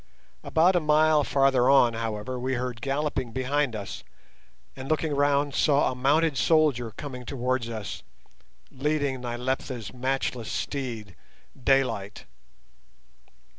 About a mile farther on, however, we heard galloping behind us, and looking round, saw a mounted soldier coming towards us, leading Nyleptha's matchless steed—Daylight.